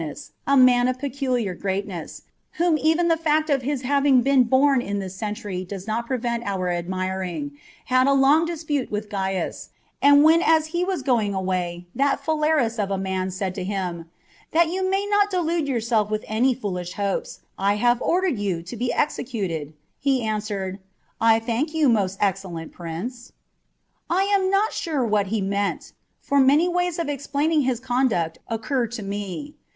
Kanus, a man of peculiar greatness, whom even the fact of his having been born in this century does not prevent our admiring, had a long dispute with Gains, and when as he was going away that Phalaris of a man said to him, " That you may not delude yourself with any foolish hopes, I have ordered you to be executed," he answered, " I thank you, most excellent prince." I am not sure what he meant : for many ways of explaining his conduct occur to me.